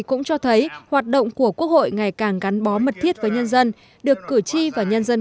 cũng cho thấy hoạt động của quốc hội ngày càng gắn bó mật thiết với nhân dân được cử tri và nhân dân